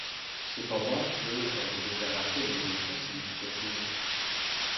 Cependant le avait déjà marqué une évolution significative.